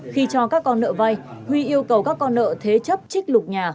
khi cho các con nợ vay huy yêu cầu các con nợ thế chấp trích lục nhà